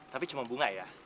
tapi cuma bunga ya